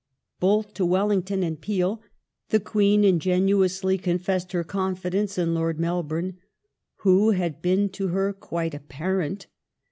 Both to Wellington and Peel the Queen ingenuously confessed her confidence in Lord Melbourne, "who had been to her quite a parent".